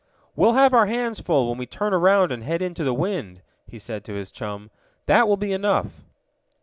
"We'll have our hands full when we turn around and head into the wind," he said to his chum. "That will be enough."